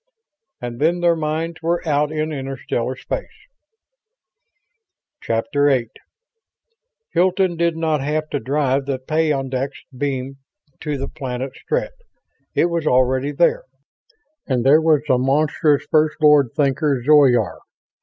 And then their minds were out in interstellar space._ VIII Hilton did not have to drive the peyondix beam to the planet Strett; it was already there. And there was the monstrous First Lord Thinker Zoyar.